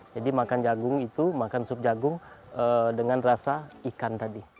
jadi makan jagung itu makan sup jagung dengan rasa ikan tadi